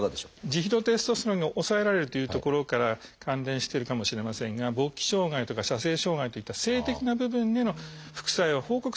ジヒドロテストステロンが抑えられるというところから関連してるかもしれませんが勃起障害とか射精障害といった性的な部分での副作用は報告されてます。